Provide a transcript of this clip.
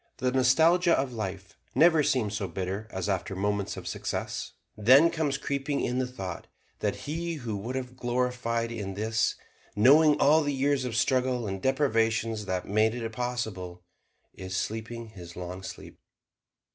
The nostalgia of life never seems so bitter as after moments of success; then comes creeping in the thought that he who would have gloried in this knowing all the years of struggle and deprivations that made it possible is sleeping his long sleep.